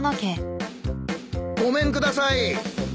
ごめんください！